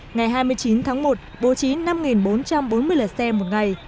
ngày hai mươi chín tháng một bố trí năm bốn trăm bốn mươi lượt xe một ngày